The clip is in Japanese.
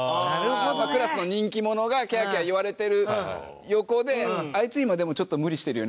クラスの人気者がキャーキャー言われてる横で「あいつ今でもちょっと無理してるよね」